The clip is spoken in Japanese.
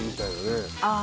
ああ。